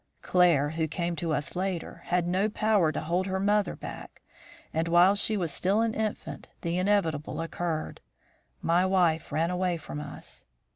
Claire, who came to us later, had no power to hold her mother back, and while she was still an infant, the inevitable occurred my wife ran away from us.